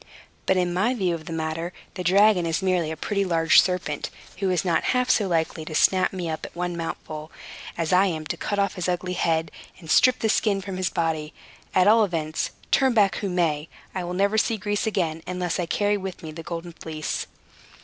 But, in my view of the matter, the dragon is merely a pretty large serpent, who is not half so likely to snap me up at one mouthful as I am to cut off his ugly head, and strip the skin from his body. At all events, turn back who may, I will never see Greece again, unless I carry with me the Golden Fleece."